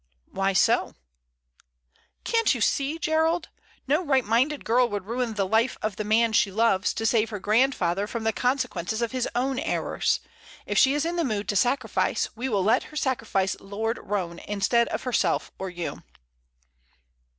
"Why so?" "Can't you see, Gerald? No right minded girl would ruin the life of the man she loves to save her grandfather from the consequences of his own errors. If she is in the mood to sacrifice, we will let her sacrifice Lord Roane instead of herself or you."